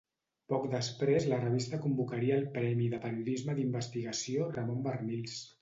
Poc després la revista convocaria el Premi de periodisme d'investigació Ramon Barnils.